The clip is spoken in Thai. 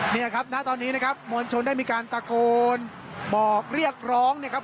เนี่ยครับณตอนนี้นะครับมวลชนได้มีการตะโกนบอกเรียกร้องนะครับ